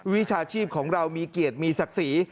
วิชาชีพของเรามีเกียรติมีศักดิ์ศรี